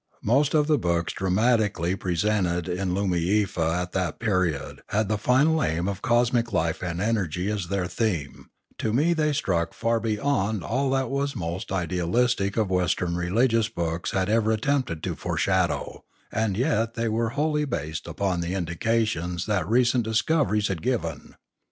Most of the books dramatically presented in Loomiefa at that period had the final aim of cosmic life and energy as their theme; to me they struck far beyond all that Religion 693 the most idealistic of Western religious books had ever attempted to foreshadow; and yet they were wholly based upon the indications that recent discoveries had given.